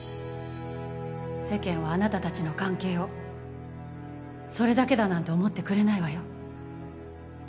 世間はあなた達の関係をそれだけだなんて思ってくれないわよ